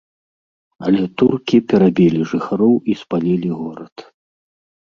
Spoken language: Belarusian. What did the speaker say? Але туркі перабілі жыхароў і спалілі горад.